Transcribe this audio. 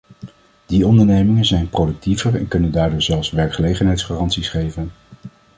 Die ondernemingen zijn productiever en kunnen daardoor zelfs werkgelegenheidsgaranties geven.